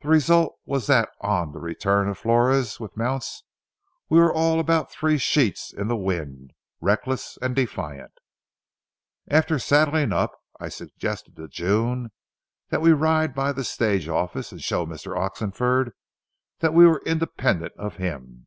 The result was that on the return of Flores with mounts we were all about three sheets in the wind, reckless and defiant. After saddling up, I suggested to June that we ride by the stage office and show Mr. Oxenford that we were independent of him.